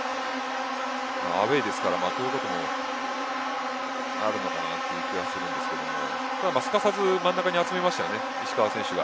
アウェーですからこういうこともあるという気はしますがすかさず、真ん中に集めましたよね、石川選手が。